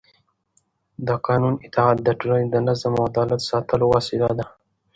د قانون اطاعت د ټولنې د نظم او عدالت ساتلو وسیله ده